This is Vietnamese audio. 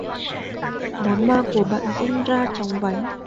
Đám ma của bạn diễn ra chóng vánh